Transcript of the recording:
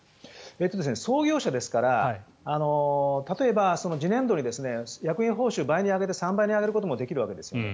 創業者ですから例えば、次年度に役員報酬を倍に上げて３倍に上げることもできるわけですよね。